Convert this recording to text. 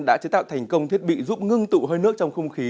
đã chế tạo thành công thiết bị giúp ngưng tụ hơi nước trong không khí